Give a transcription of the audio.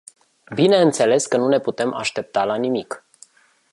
Bineînțeles că nu ne putem aștepta la nimic.